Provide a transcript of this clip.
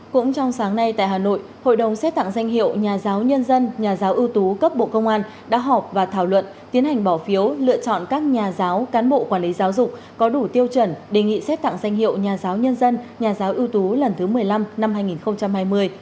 cũng trong sáng nay tại hà nội hội đồng xét tặng danh hiệu nhà giáo nhân dân nhà giáo ưu tú cấp bộ công an đã họp và thảo luận tiến hành bỏ phiếu lựa chọn các nhà giáo cán bộ quản lý giáo dục có đủ tiêu chuẩn đề nghị xét tặng danh hiệu nhà giáo nhân dân nhà giáo ưu tú lần thứ một mươi năm năm hai nghìn hai mươi